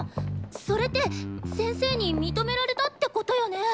それって先生に認められたってことよね？